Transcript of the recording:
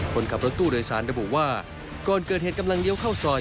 คนขับรถตู้โดยสารระบุว่าก่อนเกิดเหตุกำลังเลี้ยวเข้าซอย